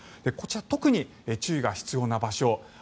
こちら、特に注意が必要な場所。